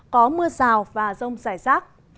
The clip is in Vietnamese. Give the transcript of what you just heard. có mưa rào và rông rải rác